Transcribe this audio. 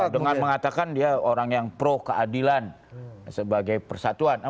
dengan mengatakan dia orang yang pro keadilan sebagai persatuan